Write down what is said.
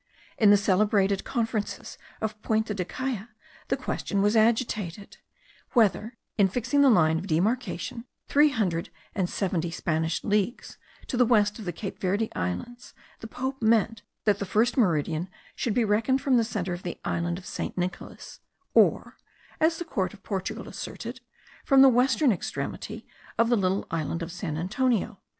In the celebrated conferences of Puente de Caya the question was agitated, whether, in fixing the line of demarcation three hundred and seventy Spanish leagues to the west of the Cape Verde Islands, the pope meant that the first meridian should be reckoned from the centre of the island of St. Nicholas, or (as the court of Portugal asserted) from the western extremity of the little island of St. Antonio.